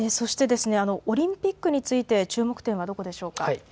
そしてオリンピックについて注目点はどこでしょうか。